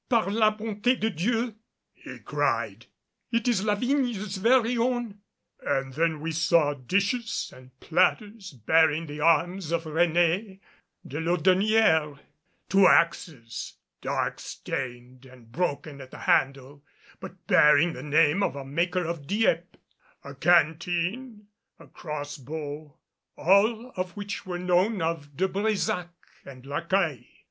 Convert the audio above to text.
"Par la bonté de Dieu," he cried. "It is La Vigne's very own!" And then we saw dishes and platters bearing the Arms of Réné de Laudonnière, two axes, dark stained and broken at the handle, but bearing the name of a maker of Dieppe, a canteen, a cross bow all of which were known of De Brésac and La Caille.